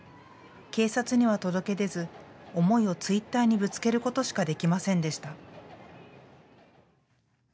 警察には届け出ず思いをツイッターにぶつけることしかできませんでした。